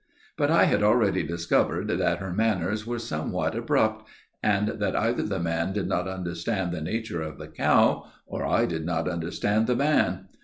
But I had already discovered that her manners were somewhat abrupt, and that either the man did not understand the nature of the cow or I did not understand the man.